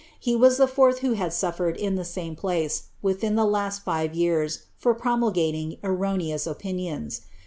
Hf was the fourth who had suffered, in the same place, within the last ti" years, for promulgating erroneous opinions.'